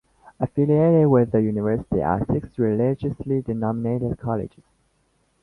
Affiliated with the University are six religiously denominated colleges.